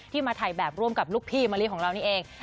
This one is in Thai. มาถ่ายแบบร่วมกับลูกพี่มะลิของเรานี่เอง